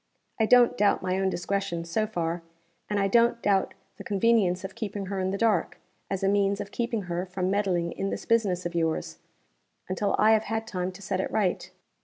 I don't doubt my own discretion, so far; and I don't doubt the convenience of keeping her in the dark, as a means of keeping her from meddling in this business of yours, until I have had time to set it right.